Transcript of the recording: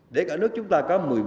để cả nước chúng ta có một mươi